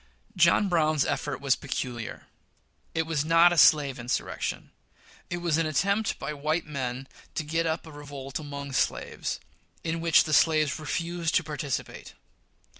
John Brown's effort was peculiar. It was not a slave insurrection. It was an attempt by white men to get up a revolt among slaves, in which the slaves refused to participate.